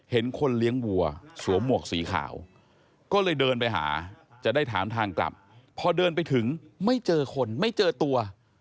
คนเลี้ยงวัวสวมหมวกสีขาวก็เลยเดินไปหาจะได้ถามทางกลับพอเดินไปถึงไม่เจอคนไม่เจอตัว